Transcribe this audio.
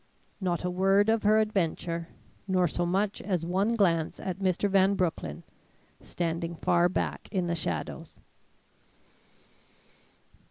Not a word of her adventure; nor so much as one glance at Mr. Van Broecklyn, standing far back in the shadows.